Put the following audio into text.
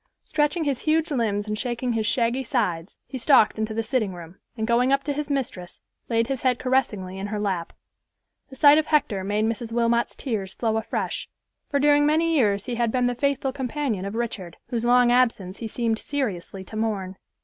Stretching his huge limbs and shaking his shaggy sides, he stalked into the sitting room, and going up to his mistress laid his head caressingly in her lap. The sight of Hector made Mrs. Wilmot's tears flow afresh, for during many years he had been the faithful companion of Richard, whose long absence he seemed seriously to mourn.